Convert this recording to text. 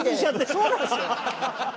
そうなんですよ。